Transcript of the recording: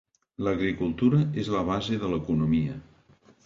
L'agricultura és la base de l'economia.